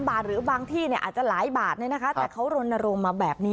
บาทหรือบางที่อาจจะหลายบาทแต่เขารณรงค์มาแบบนี้